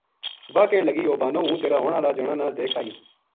وَہ کہن لگی اوہ بانو ہوں تیرا ہون ہالا جنا نا دیکھ آئی